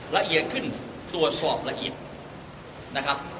ละเอียดขึ้นตรวจสอบละหิต